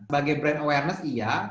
sebagai brand awareness iya